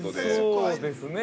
◆そうですね。